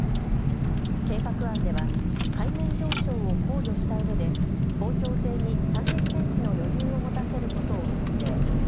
計画案では海面上昇を考慮したうえで防潮堤に３０センチの余裕を持たせることを想定。